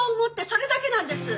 それだけなんです！